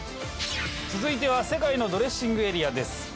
続いては世界のドレッシングエリアです。